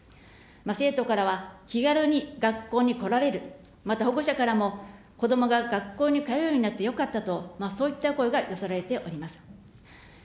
生徒からは、気軽に学校に来られる、また、保護者からも子どもが学校に通うようになってよかったと、そういった声が寄せられております。